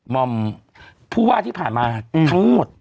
มอมผู้ว่าที่ผ่านมาทั้งหมด